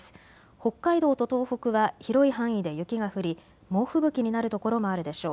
北海道と東北は広い範囲で雪が降り猛吹雪になる所もあるでしょう。